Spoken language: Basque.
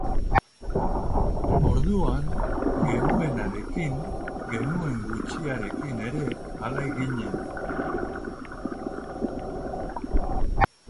Orduan genuenarekin, genuen gutxiarekin ere alai ginen.